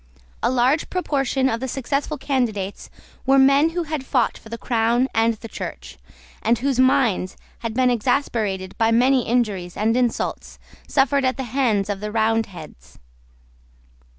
A large proportion of the successful candidates were men who had fought for the Crown and the Church, and whose minds had been exasperated by many injuries and insults suffered at the hands of the Roundheads.